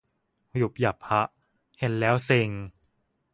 ยุ่บยั่บฮะ เห็นแล้วเซ็ง